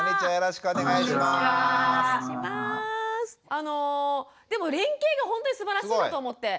あのでも連携が本当にすばらしいなと思って。